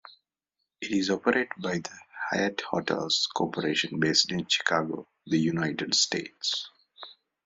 It is operated by the Hyatt Hotels Corporation, based in Chicago, the United States.